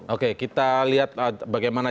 oke kita lihat bagaimana